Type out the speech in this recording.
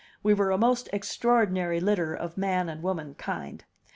We were a most extraordinary litter of man and womankind.